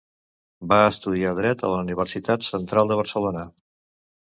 Va estudiar dret a la Universitat Central de Barcelona.